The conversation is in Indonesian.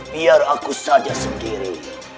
biar aku saja sendiri